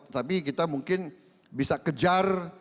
tapi kita mungkin bisa kejar